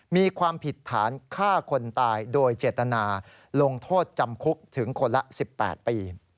มีความผิดฐานฆ่าคนตายโดยเจตนาลงโทษจำคุกถึงคนละ๑๘ปี